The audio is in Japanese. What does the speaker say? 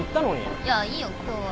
いやいいよ今日は。